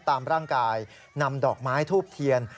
ตามร่างกายนำดอกไม้ทูบเทียน